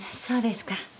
そうですか。